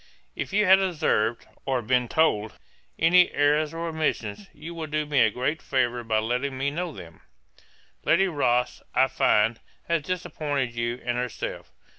'If you have observed, or been told, any errours or omissions, you will do me a great favour by letting me know them. 'Lady Rothes, I find, has disappointed you and herself.